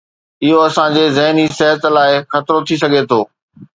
اهو اسان جي ذهني صحت لاء خطرو ٿي سگهي ٿو